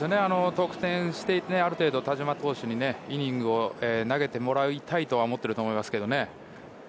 得点していってある程度、田嶋投手にイニングを投げてもらいたいと思っていると思いますけどね。